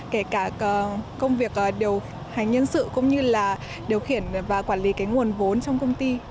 kể cả công việc điều hành nhân sự cũng như là điều khiển và quản lý nguồn vốn trong công ty